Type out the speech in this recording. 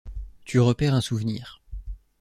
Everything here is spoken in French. Tu repères un souvenir.